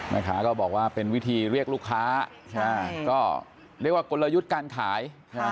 แม่ค้าก็บอกว่าเป็นวิธีเรียกลูกค้าใช่ไหมก็เรียกว่ากลยุทธ์การขาย